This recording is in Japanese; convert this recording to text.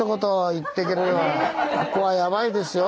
「ここはヤバいですよ。